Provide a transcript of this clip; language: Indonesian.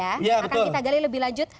akan kita gali lebih lanjut